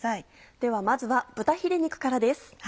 ではまずは豚ヒレ肉からです。